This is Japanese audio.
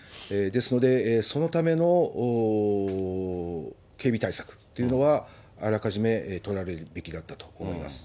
ですので、そのための警備対策というのは、あらかじめ取られるべきだったと思います。